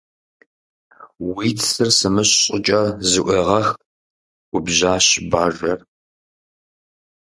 Уи цыр сымыщ щӀыкӀэ зыӀуегъэх! - губжьащ Бажэр.